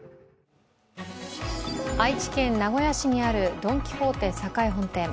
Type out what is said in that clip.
愛知県名古屋市にあるドン・キホーテ栄本店。